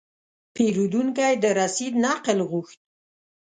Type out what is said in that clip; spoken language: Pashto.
پیرودونکی د رسید نقل غوښت.